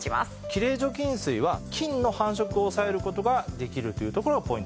きれい除菌水は菌の繁殖を抑える事ができるというところがポイントです。